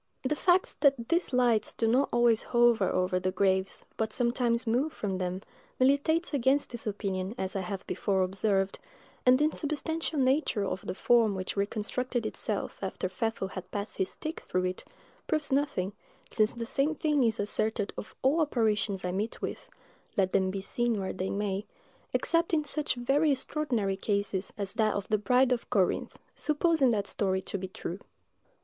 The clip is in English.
The fact that these lights do not always hover over the graves, but sometimes move from them, militates against this opinion, as I have before observed; and the insubstantial nature of the form which reconstructed itself after Pfeffel had passed his stick through it proves nothing, since the same thing is asserted of all apparitions I meet with, let them be seen where they may, except in such very extraordinary cases as that of the Bride of Corinth, supposing that story to be true.